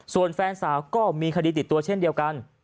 ส่วนแฟนสาวก็มีคดีติดตัวเช่นเดียวกัน